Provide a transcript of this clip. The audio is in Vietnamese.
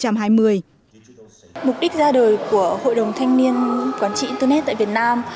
mục đích ra đời của hội đồng thanh niên quản trị internet tại việt nam